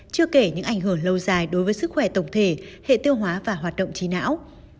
chưa kể những ảnh hưởng lâu dài đối với sức khỏe tổng thể hệ tiêu hóa và hoạt động trí não